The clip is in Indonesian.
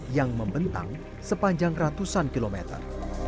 yang membentang sepanjang ratusan kilometer